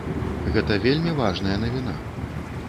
Гэта вельмі важная навіна.